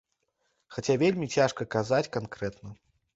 Хаця вельмі цяжка казаць канкрэтна.